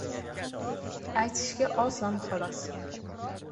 Aytishga oson xolos